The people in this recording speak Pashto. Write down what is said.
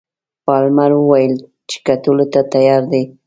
پالمر وویل چې کتلو ته تیار دی.